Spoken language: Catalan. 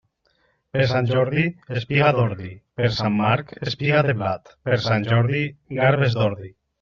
Per Sant Jordi, espiga d'ordi; per Sant Marc, espiga de blat; per Sant Jordi, garbes d'ordi.